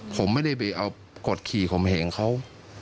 ผมไม่ได้ไปเอากฎขี่ขมเหงเขา